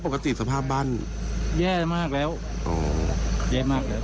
เราก็บอกแล้วนะ